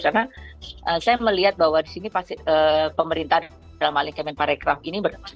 karena saya melihat bahwa di sini pemerintah dalam alingkaman perekraf ini berfungsi untuk memperbaiki